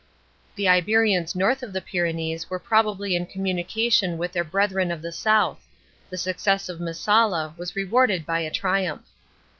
The Iberians north of the Pyrenees were probably in communication with their brethren of the south. The success of Messalla was rewarded by a triumph.